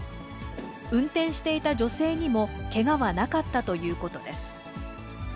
運転していた女性にもけがはなかったということです。